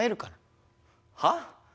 はっ？